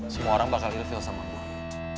semua orang bakal ilfil sama gue